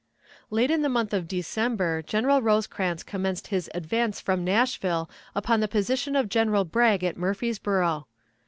Late in the month of December General Rosecrans commenced his advance from Nashville upon the position of General Bragg at Murfreesboro.